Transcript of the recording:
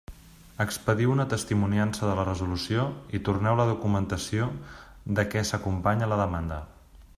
Expediu una testimoniança de la resolució i torneu la documentació de què s'acompanya la demanda.